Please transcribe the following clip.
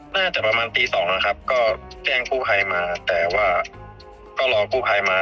น่าจะประมาณตี๒นะครับก็แจ้งผู้ไพมาแต่ว่าก็รอผู้ไพมา